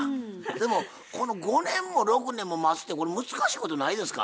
でもこの５年も６年も待つってこれ難しいことないですか？